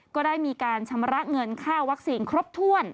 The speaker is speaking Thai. ก็ได้มีการชำระเงินค่าวัคซีนครบถ้วน